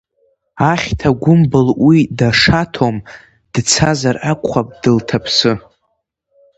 Ахьҭа гәымбыл уи дашаҭом, Дцазар акәхап дылҭаԥсы?